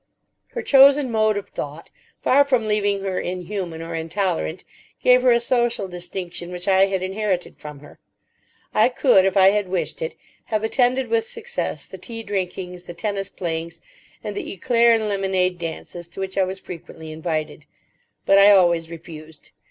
Her chosen mode of thought, far from leaving her inhuman or intolerant, gave her a social distinction which I had inherited from her. I could, if I had wished it, have attended with success the tea drinkings, the tennis playings, and the éclair and lemonade dances to which I was frequently invited. But I always refused.